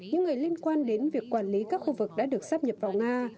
những người liên quan đến việc quản lý các khu vực đã được sắp nhập vào nga